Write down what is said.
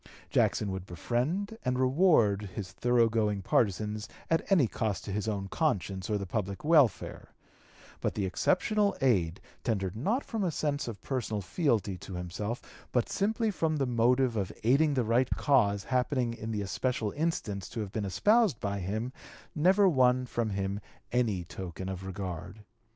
Jackson would befriend and reward his thorough going partisans at any cost to his own conscience or the public welfare; but the exceptional aid, tendered not from a sense of personal fealty to himself, but simply from the motive of aiding the right cause happening in the especial instance to have been espoused by him, never won from him any token of regard.